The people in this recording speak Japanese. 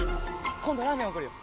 今度ラーメンおごるよ。